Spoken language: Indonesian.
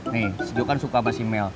nih si gio kan suka sama si mel